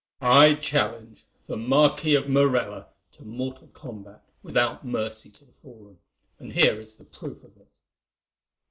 I challenge the Marquis of Morella to mortal combat without mercy to the fallen, and here is the proof of it."